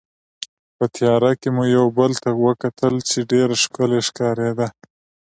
په تیارې کې مو یو بل ته وکتل چې ډېره ښکلې ښکارېده.